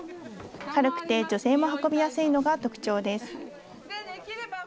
軽くて女性も運びやすいのが特徴です。